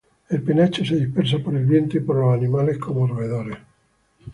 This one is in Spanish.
El penacho se dispersa por el viento y por los animales como roedores.